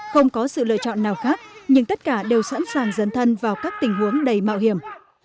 không có sự lựa chọn nào khác nhưng tất cả đều sẵn sàng dân thân vào các tình huống đầy mạo hiểm